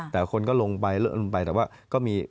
แต่คนก็ลงไปเลอะลงไปแต่ว่าก็มี